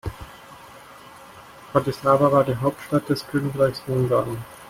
Bratislava war die Hauptstadt des Königreichs Ungarn.